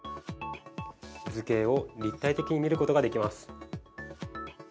図形を立体的に見ることができます。